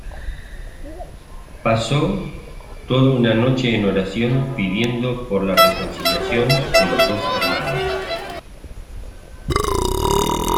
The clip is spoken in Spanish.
Pasó toda una noche en oración pidiendo por la reconciliación de los dos hermanos.